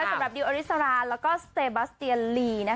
สำหรับดิวอาริสาระแล้วก็เซบาสเตียลลีนะคะ